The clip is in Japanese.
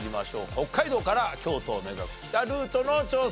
北海道から京都を目指す北ルートの挑戦です。